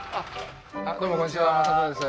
どうもこんにちは魔裟斗です